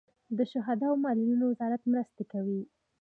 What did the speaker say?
د شهدا او معلولینو وزارت مرستې کوي